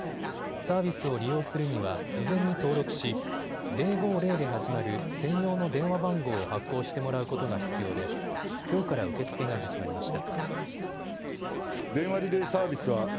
サービスを利用するには事前に登録し０５０で始まる専用の電話番号を発行してもらうことが必要できょうから受け付けが始まりました。